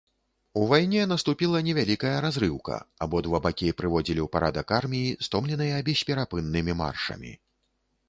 У вайне наступіла невялікая разрыўка, абодва бакі прыводзілі ў парадак арміі, стомленыя бесперапыннымі маршамі.